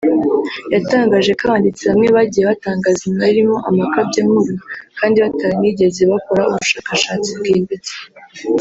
yatangaje ko abanditsi bamwe bagiye batangaza imibare irimo amakabyankuru kandi bataranigeze bakora ubushakashatsi bwimbitse